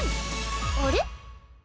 あれ？